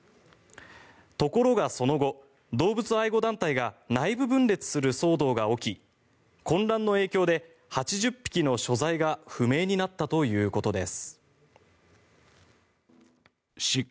ところがその後、動物愛護団体が内部分裂する騒動が起き混乱の影響で８０匹の所在が不明になったということです。